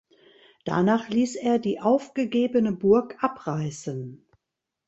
Danach ließ er die aufgegebene Burg abreißen.